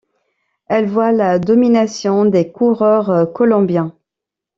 Elle voit la domination des coureurs colombiens.